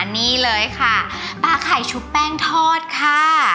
นี่เลยค่ะปลาไข่ชุบแป้งทอดค่ะ